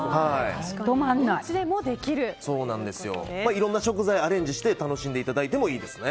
いろんな食材をアレンジして楽しんでいただいてもいいですね。